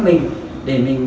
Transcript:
để mình được tự chăm sóc mình